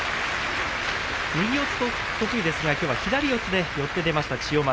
右四つ得意ですがきょうは左四つで寄って出ました、千代丸。